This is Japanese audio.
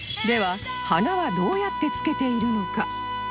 では花はどうやって付けているのか？